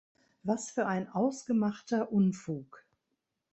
Was für ein ausgemachter Unfug!